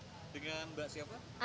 dengan mbak siapa